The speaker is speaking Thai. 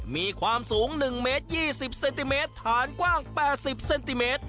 มีความสูง๑เมตร๒๐เซนติเมตรฐานกว้าง๘๐เซนติเมตร